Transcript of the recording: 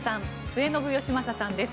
末延吉正さんです。